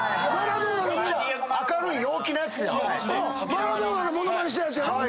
マラドーナの物まねしたやつやろ？